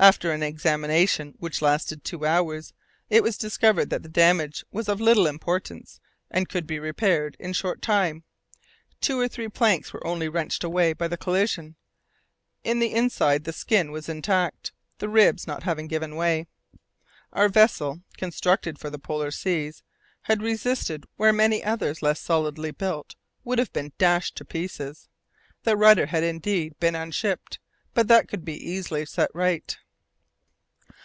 After an examination which lasted two hours, it was discovered that the damage was of little importance, and could be repaired in a short time. Two or three planks only were wrenched away by the collision. In the inside the skin was intact, the ribs not having given way. Our vessel, constructed for the polar seas, had resisted where many others less solidly built would have been dashed to pieces. The rudder had indeed been unshipped, but that could easily be set right.